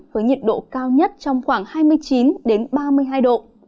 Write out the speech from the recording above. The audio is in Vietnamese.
với nhiệt độ cao nhất trong khoảng hai mươi chín ba mươi hai độ